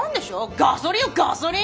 ガソリンよガソリン！